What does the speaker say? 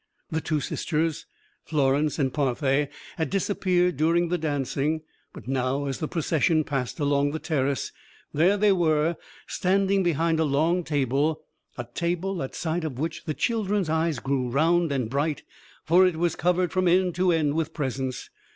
The two sisters, Florence and Parthe, had disappeared during the dancing; but now, as the procession passed along the terrace, there they were, standing behind a long table; a table at sight of which the children's eyes grew round and bright, for it was covered from end to end with presents.